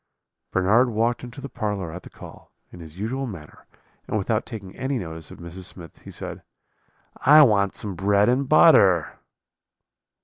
"Bernard walked into the parlour at the call, in his usual manner, and without taking any notice of Mrs. Smith, he said: "'I want some bread and butter.'